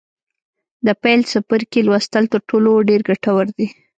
د پیل څپرکي لوستل تر ټولو ډېر ګټور دي.